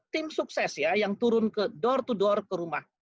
tim sukses ya yang turun ke door to door ke rumah